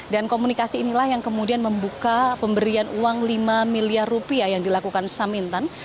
dan komunikasi inilah yang kemudian membuka pemberian uang lima miliar rupiah yang dilakukan samintan